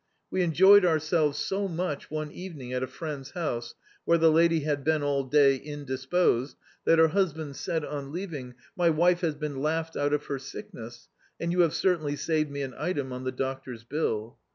We enjoyed ourselves so much one evening at a friend's house, where the lady had been all day in disposed, that her husband said, on leaving, "My wife has been laughed out of her sickness, and you have certainly saved me an item on the doctor's bill."